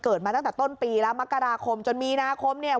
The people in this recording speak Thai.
มาตั้งแต่ต้นปีแล้วมกราคมจนมีนาคมเนี่ย